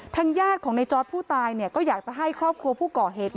ทางย่าของในจอร์ตผู้ตายก็อยากจะให้ครอบครัวผู้เกาะเหตุ